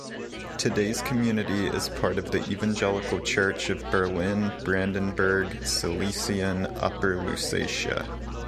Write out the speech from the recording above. Today's community is part of the Evangelical Church of Berlin-Brandenburg-Silesian Upper Lusatia.